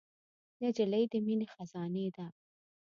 نجلۍ د مینې خزانې ده.